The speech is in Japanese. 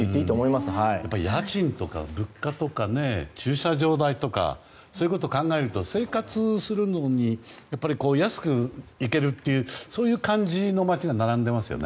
家賃とか物価とか駐車場代とかそういうことを考えると生活するのに安くいけるというそういう感じの街が並んでいますよね。